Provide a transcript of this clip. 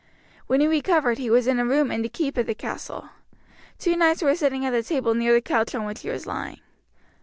When he recovered he was in a room in the keep of the castle. Two knights were sitting at a table near the couch on which he was lying.